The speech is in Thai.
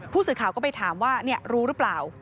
ผู้สื่อข่าวก็ไปถามว่ารู้หรือเปล่า